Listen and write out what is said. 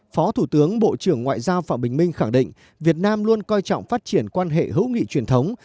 phó thủ tướng bộ trưởng ngoại giao phạm bình minh khẳng định việt nam luôn coi trọng phát triển quan hệ hữu nghị truyền thống